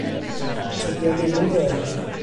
Tydi o ddim yn foel.